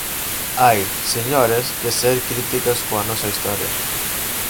Hai, señores, que ser críticas coa nosa historia.